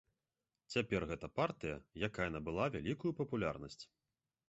Цяпер гэта партыя, якая набыла вялікую папулярнасць.